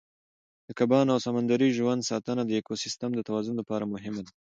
د کبانو او سمندري ژوند ساتنه د ایکوسیستم د توازن لپاره مهمه ده.